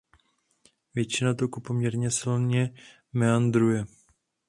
Většina toku poměrně silně meandruje.